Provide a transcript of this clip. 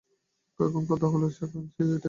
এখন কথা হল, এটা সে কেন করবে?